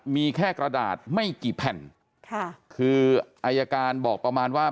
มีแค่กระดาษไม่กี่แผ่นค่ะคืออายการบอกประมาณว่า